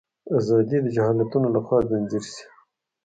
ازادي د جهالتونو لخوا ځنځیر شي.